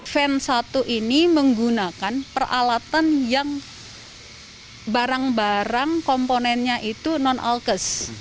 ven satu ini menggunakan peralatan yang barang barang komponennya itu non alkes